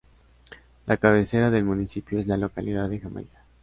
La cabecera del municipio es la localidad de Jamaica.